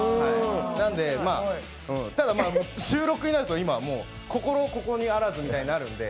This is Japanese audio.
なのでまあ、ただ収録になると心ここにあらずみたいになるんで。